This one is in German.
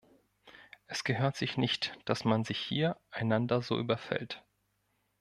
Es gehört sich nicht, dass man sich hier einander so überfällt.